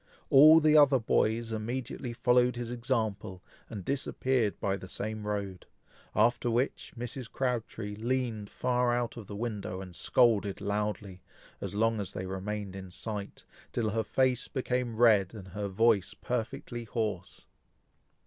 All the other boys immediately followed his example, and disappeared by the same road; after which, Mrs. Crabtree leaned far out of the window, and scolded loudly, as long as they remained in sight, till her face became red, and her voice perfectly hoarse.